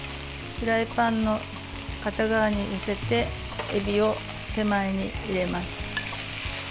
フライパンの片側に寄せてえびを手前に入れます。